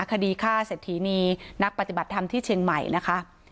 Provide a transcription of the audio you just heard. คดีฆ่าเศรษฐีนีนักปฏิบัติธรรมที่เชียงใหม่นะคะ